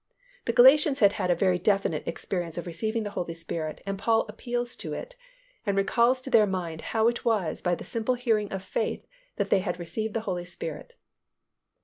The Galatians had had a very definite experience of receiving the Holy Spirit and Paul appeals to it, and recalls to their mind how it was by the simple hearing of faith that they had received the Holy Spirit.